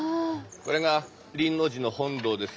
これが輪王寺の本堂です。